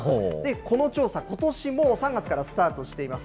この調査、ことしも３月からスタートしています。